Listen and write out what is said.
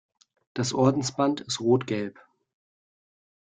Das Ordensband ist rot gelb.